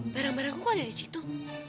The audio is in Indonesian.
barang barang gua selisih itu